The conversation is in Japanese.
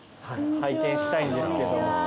拝見したいんですけども。